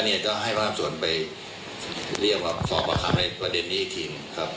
ตอนนี้ก็ให้บ้างส่วนไปเรียกว่าขอบคำในประเด็นนี้อีกที